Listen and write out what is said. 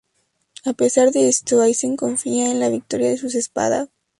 A pesar de esto, Aizen confía en la victoria de sus Espada.